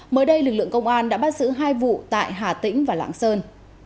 mới đây lực lượng công an đã bắt giữ hai vụ tại hà tĩnh và lạng sơn